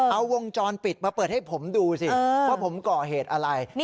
เอาวงจรปิดมาเปิดให้ผมดูสิว่าผมก่อเหตุอะไร